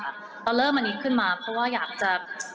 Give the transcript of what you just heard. ตอนเริ่มอันนี้ขึ้นมาเพราะว่าอยากจะ